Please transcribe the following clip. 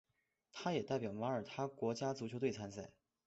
他也代表马耳他国家足球队参赛。